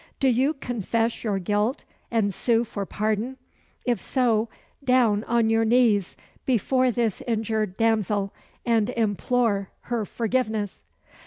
"Do you confess your guilt, and sue for pardon? If so, down on your knees before this injured damsel, and implore her forgiveness!"